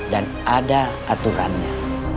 dan ada aturannya